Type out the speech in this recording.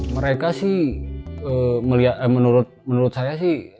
mereka sih menurut saya sih